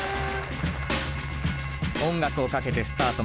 音楽をかけてスタート。